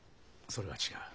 それは違う。